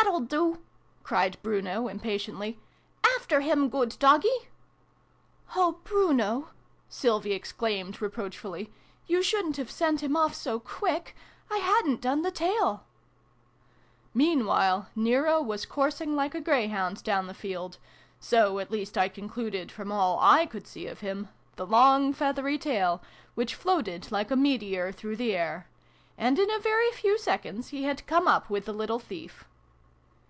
" That'll do !" cried Bruno, impatiently. "After him, good Doggie!" " Oh, Bruno !" Sylvie exclaimed reproach fully. " You shouldn't have sent him off so quick ! I hadn't done the tail !" Meanwhile Nero was coursing like a grey hound down the field : so at least I concluded from all / could see of him the long feathery tail, which floated like a meteor through the air and in a very few seconds he had come up with the little thief.